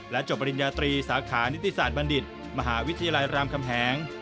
จบปริญญาตรีสาขานิติศาสตร์บัณฑิตมหาวิทยาลัยรามคำแหง